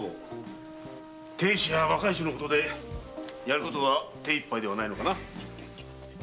亭主や若い衆のことでやることが手一杯ではないのかな？